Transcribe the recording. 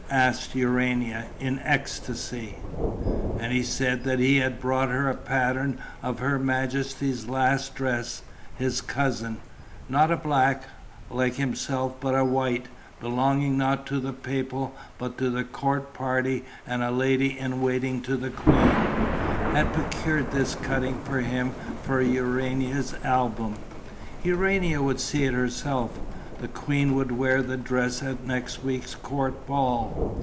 asked Urania, in ecstasy. And he said that he had brought her a pattern of her majesty's last dress; his cousin not a Black, like himself, but a White, belonging not to the papal but to the court party and a lady in waiting to the queen had procured this cutting for him for Urania's album. Urania would see it herself: the queen would wear the dress at next week's court ball.